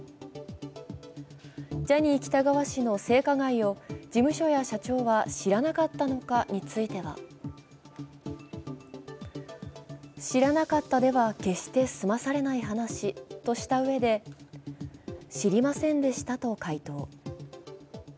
ジャニー氏の性加害を事務所や社長は知らなかったのかについては知らなかったでは決して済まされない話としたうえで、「知りませんでした」と回答。